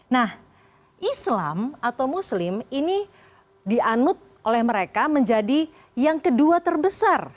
nah islam atau muslim ini dianut oleh mereka menjadi yang kedua terbesar